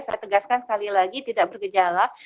saya tegaskan sekali lagi tidak bergejala